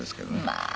まあ！